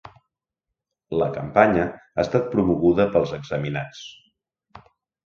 La campanya ha estat promoguda pels examinats